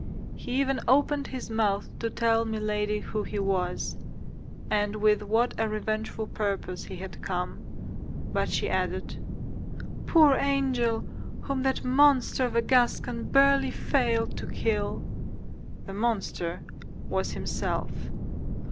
He even opened his mouth to tell Milady who he was, and with what a revengeful purpose he had come; but she added, "Poor angel, whom that monster of a Gascon barely failed to kill." The monster was himself.